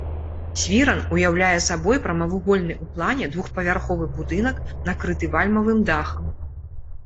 Свіран уяўляе сабой прамавугольны ў плане двухпавярховы будынак накрыты вальмавым дахам.